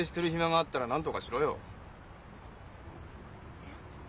えっ？